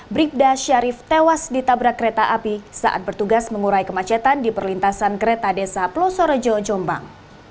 bribda syarif tewas ditabrak kereta api saat bertugas mengurai kemacetan di perlintasan kereta desa pelosorejo jombang